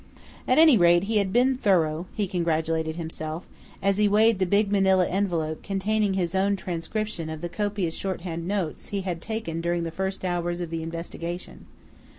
At any rate, he had been thorough, he congratulated himself, as he weighed the big manilla envelope containing his own transcription of the copious shorthand notes he had taken during the first hours of the investigation.